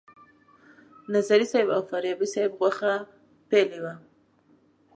نظري صیب او فاریابي صیب غوښه پیلې وه.